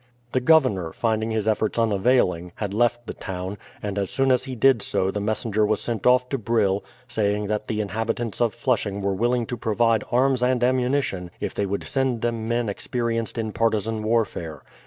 The governor, finding his efforts unavailing, had left the town, and as soon as he did so the messenger was sent off to Brill, saying that the inhabitants of Flushing were willing to provide arms and ammunition if they would send them men experienced in partisan warfare.